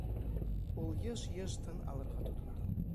Ул йыш-йыш тын алырға тотондо.